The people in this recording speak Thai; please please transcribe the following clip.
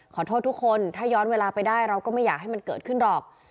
ขอโทษทุกคนถ้าย้อนเวลาไปได้เราก็ไม่อยากให้มันเกิดขึ้นหรอก